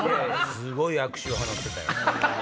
すごい悪臭を放ってたよ。